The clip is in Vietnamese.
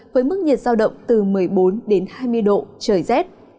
với mức nhiệt giao động từ một mươi bốn đến hai mươi độ trời rét